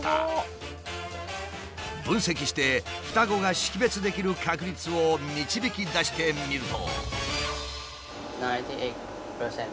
分析して双子が識別できる確率を導き出してみると。